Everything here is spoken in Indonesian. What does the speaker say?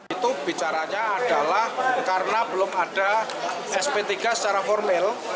itu bicaranya adalah karena belum ada sp tiga secara formil